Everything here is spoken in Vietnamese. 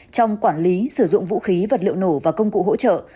trong quản lý sử dụng vũ khí vật liệu nổ và công cụ hỗ trợ